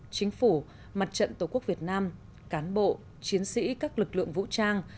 chính phủ mặt trận tổ quốc việt nam cán bộ chiến sĩ các lực lượng vũ trang